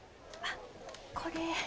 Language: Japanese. あっこれ。